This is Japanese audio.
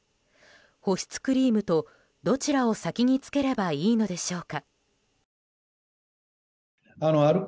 保湿クリームと、どちらを先につければいいのでしょうか。